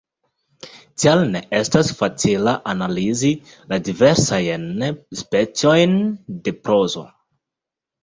Tial ne estas facile analizi la diversajn specojn de prozo.